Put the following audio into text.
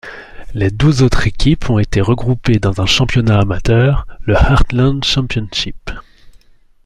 Les douze autres équipes ont été regroupées dans un championnat amateur, le Heartland Championship.